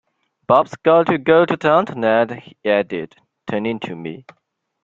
“Bob’s got to go to town tonight,” he added, turning to me.